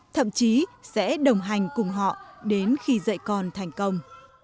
thậm chí sẽ đồng hành cùng họ đến khi dạy con thành công